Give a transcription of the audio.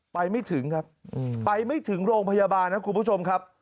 ไม่ถึงครับไปไม่ถึงโรงพยาบาลนะคุณผู้ชมครับ